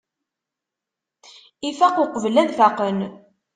Ifaq uqbel ad faqen.